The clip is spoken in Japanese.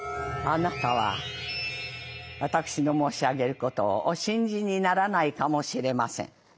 「あなたは私の申し上げることをお信じにならないかもしれません。